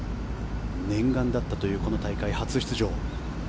念願だったというこの大会初出場。